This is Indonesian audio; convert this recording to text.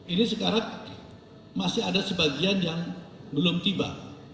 ini sekarang masih ada sebagian yang belum tiba